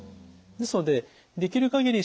ですのでできる限り